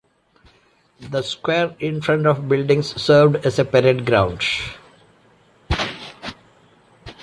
The square in front of the buildings served as a parade ground.